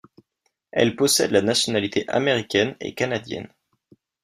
Elle possède la nationalité américaine et canadienne.